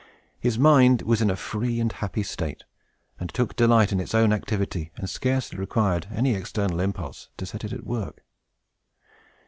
His mind was in a free and happy state, and took delight in its own activity, and scarcely required any external impulse to set it at work.